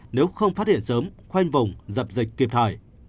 nếu không phát hiện sớm khoanh vùng dập dịch kịp thời